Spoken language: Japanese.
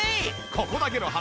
ここだけの話